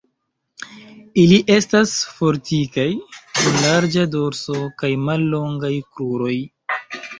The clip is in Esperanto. Ili estas fortikaj, kun larĝa dorso kaj mallongaj kruroj.